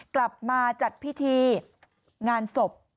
กลับมาจัดพิธีงานศพ